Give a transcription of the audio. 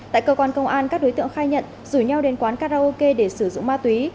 tại cơ quan công an các đối tượng khai nhận rủi nhau đến quán karaoke để sử dụng ma túy